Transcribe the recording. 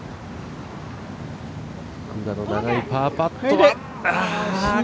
福田の長いパーパットは惜しい！